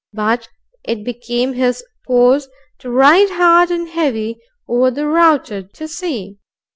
But it became his pose to ride hard and heavy over the routed foe.